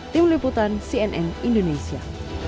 tim liputan cnn indonesia